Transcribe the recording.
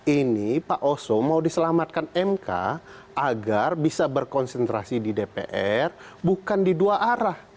ini pak oso mau diselamatkan mk agar bisa berkonsentrasi di dpr bukan di dua arah